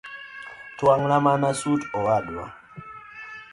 Twang’na mana sut owadwa